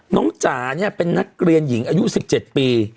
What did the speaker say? จ๋าเนี่ยเป็นนักเรียนหญิงอายุ๑๗ปี